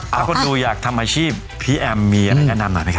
ถ้าคนดูอยากทำอาชีพพี่แอมมีอะไรแนะนำหน่อยไหมค